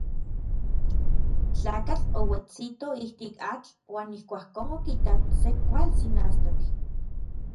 Tlakatl ouetsito ijtik atl uan ijkuakon okitak se kualtsin astatl.